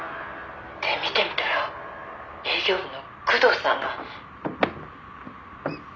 「で見てみたら営業部の工藤さんが」「」「」